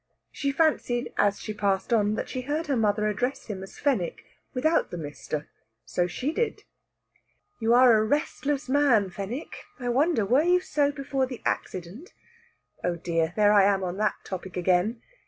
She fancied, as she passed on, that she heard her mother address him as "Fenwick," without the "Mr." So she did. "You are a restless man, Fenwick! I wonder were you so before the accident? Oh dear! there I am on that topic again!"